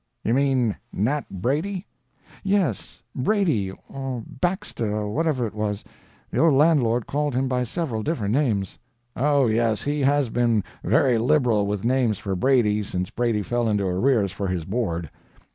"You mean Nat Brady?" "Yes, Brady, or Baxter, or whatever it was. The old landlord called him by several different names." "Oh, yes, he has been very liberal with names for Brady, since Brady fell into arrears for his board.